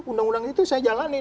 undang undang itu saya jalanin